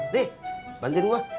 dih bantuin gue